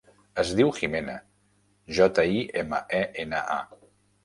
Es diu Jimena: jota, i, ema, e, ena, a.